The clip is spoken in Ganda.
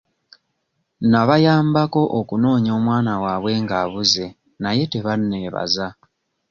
Nabayambako okunoonya omwana waabwe ng'abuze naye tebanneebaza.